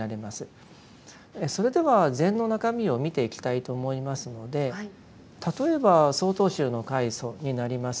それでは禅の中身を見ていきたいと思いますので例えば曹洞宗の開祖になります